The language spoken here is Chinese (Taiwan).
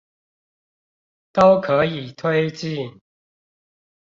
都可以推進